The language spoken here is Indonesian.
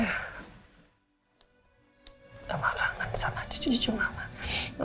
ietetkumpul mas ekor ibu dalam breala